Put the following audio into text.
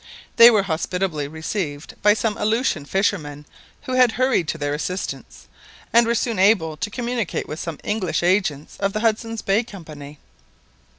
They were hospitably received by some Aleutian fishermen who had hurried to their assistance, and were soon able to communicate with some English agents of the Hudson's Bay Company.